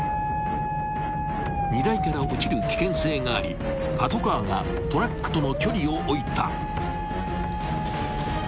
［荷台から落ちる危険性がありパトカーがトラックとの距離を置いた］